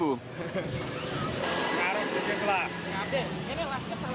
pengaruh sedikit lah